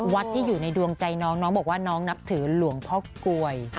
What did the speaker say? ที่อยู่ในดวงใจน้องน้องบอกว่าน้องนับถือหลวงพ่อกลวย